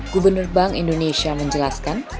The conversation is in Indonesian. gubernur bank indonesia menjelaskan